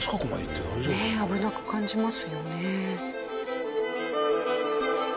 ねえ危なく感じますよね。